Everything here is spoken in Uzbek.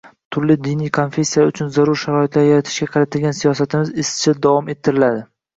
turli diniy konfessiyalar uchun zarur sharoitlar yaratishga qaratilgan siyosatimiz izchil davom ettiriladi.